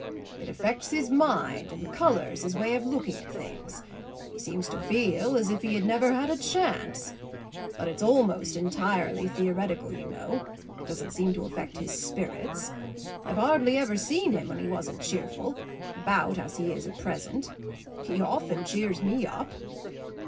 "It affects his mind and colours his way of looking at things; he seems to feel as if he had never had a chance. But it's almost entirely theoretical, you know; it doesn't seem to affect his spirits. I've hardly ever seen him when he wasn't cheerful about as he is at present. He often cheers me up."